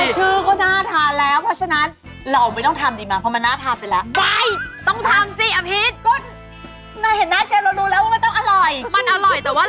ชื่อก็น่าทานแล้วเพราะฉะนั้น